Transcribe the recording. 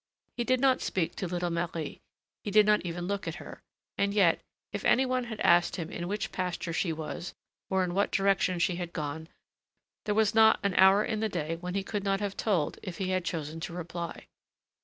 He did not speak to little Marie, he did not even look at her; and yet, if any one had asked him in which pasture she was, or in what direction she had gone, there was not an hour in the day when he could not have told if he had chosen to reply.